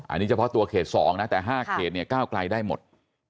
อันนี้เฉพาะตัวเขต๒นะแต่๕เขตเนี่ยก้าวไกลได้หมด